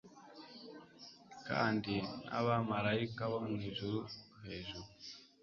kandi n'abamarayika bo mwijuru hejuru